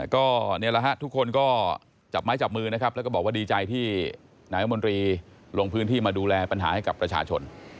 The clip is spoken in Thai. ก็นี่แหละฮะทุกคนก็จับไม้จับมือนะครับแล้วก็บอกว่าดีใจที่นายรัฐมนตรีลงพื้นที่มาดูแลปัญหาให้กับประชาชน